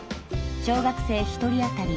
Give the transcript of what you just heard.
小学生１人あたり